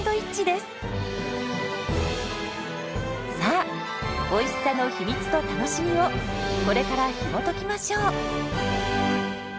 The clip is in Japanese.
さあおいしさの秘密と楽しみをこれからひもときましょう！